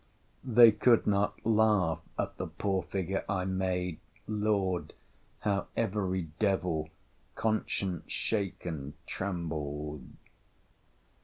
They could not laugh at the poor figure I made.—Lord! how every devil, conscience shaken, trembled!